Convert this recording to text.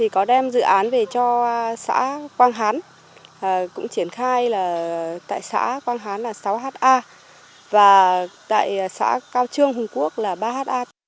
có đem dự án về cho xã quang hán cũng triển khai tại xã quang hán là sáu ha và tại xã cao trương hùng quốc là ba ha